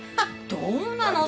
どうなの？